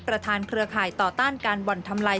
เครือข่ายต่อต้านการบ่อนทำลาย